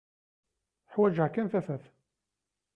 Ḥwaǧeɣ kra n tafat.